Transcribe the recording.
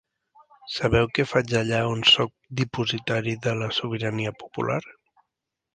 Sabeu què faig allà on sóc dipositari de la sobirania popular.